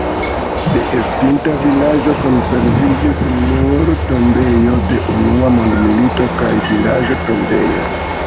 De estinta vilaĝo konserviĝis nur tombejo de Unua mondmilito kaj vilaĝa tombejo.